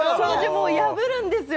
もう破るんですよ